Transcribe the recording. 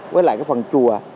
với lại cái phần chùa